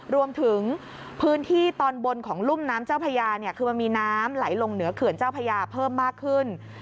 รวมถึงพื้นที่ตอนบนของรุ่มน้ำเจ้าพญาเนี่ยคือมันมีน้ำไหลลงเหนือเขื่อนเจ้าพญาเพิ่มมากขึ้น